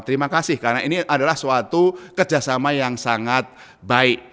terima kasih karena ini adalah suatu kerjasama yang sangat baik